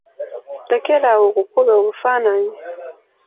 Lekera awo okukuba obufaananyi.